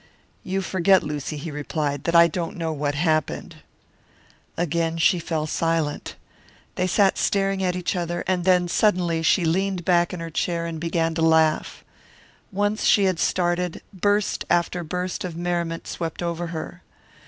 "You forget, Lucy," he replied, "that I don't know what happened." Again she fell silent. They sat staring at each other, and then suddenly she leaned back in her chair and began to laugh. Once she had started, burst after burst of merriment swept over her.